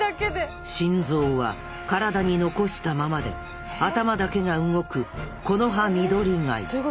心臓は体に残したままで頭だけが動くコノハミドリガイ。